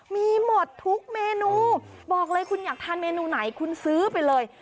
มีหมดทุกเมนูบอกเลยคุณอยากทานเมนูไหนคุณซื้อไปเลย